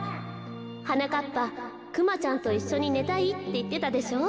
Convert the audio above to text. はなかっぱクマちゃんといっしょにねたいっていってたでしょ。